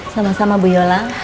sama sama bu yola